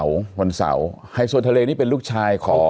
วันเสาร์ไฮโซนทะเลนี่เป็นลูกชายของ